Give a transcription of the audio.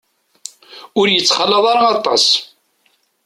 Ur yettxalaḍ ara aṭas.